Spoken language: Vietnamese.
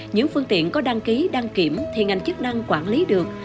những phương tiện có đăng ký đăng kiểm thì ngành chức năng quản lý được